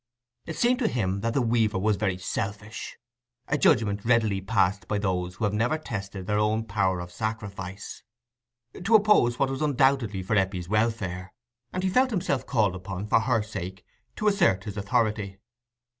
It seemed to him that the weaver was very selfish (a judgment readily passed by those who have never tested their own power of sacrifice) to oppose what was undoubtedly for Eppie's welfare; and he felt himself called upon, for her sake, to assert his authority.